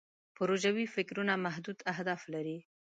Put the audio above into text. پروژوي فکرونه محدود اهداف لري.